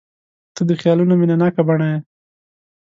• ته د خیالونو مینهناکه بڼه یې.